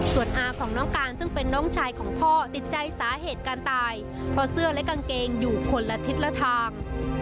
ส่วนอาของน้องการซึ่งเป็นน้องชายของพ่อติดใจสาเหตุการตายเพราะเสื้อและกางเกงอยู่คนละทิศละทาง